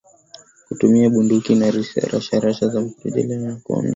kutumia bunduki za rashasha na kurejea katika vituo vyao bila kuumia